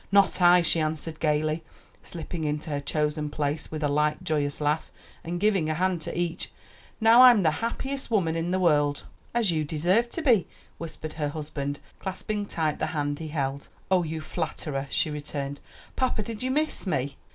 "Not I," she answered gayly, slipping into her chosen place with a light, joyous laugh, and giving a hand to each. "Now I'm the happiest woman in the world." "As you deserve to be," whispered her husband, clasping tight the hand he held. "Oh, you flatterer!" she returned. "Papa, did you miss me?"